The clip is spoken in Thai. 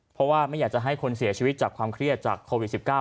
เพราะว่าไม่อยากจะให้คนเสียชีวิตจากความเครียดจากโควิด๑๙